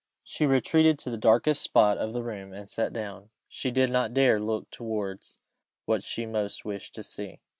She retreated to the darkest part of the room, and sat down. She did not dare to look towards what she most wished to see.